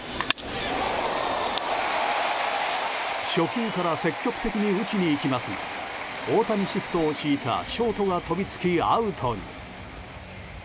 初球から積極的に打ちに行きますが大谷シフトを敷いたショートが飛びつきアウトに。